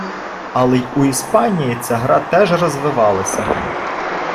Але й у Іспанії ця гра теж розвивалася.